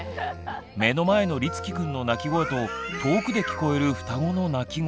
目の前のりつきくんの泣き声と遠くで聞こえる双子の泣き声。